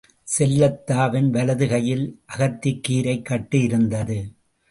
செல்லாத்தாவின் வலது கையில் அகத்திக்கீரைக் கட்டு இருந்தது.